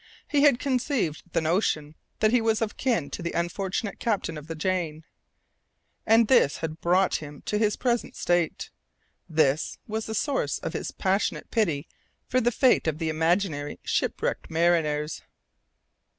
He had conceived the notion that he was of kin to the unfortunate captain of the Jane! And this had brought him to his present state, this was the source of his passionate pity for the fate of the imaginary shipwrecked mariners!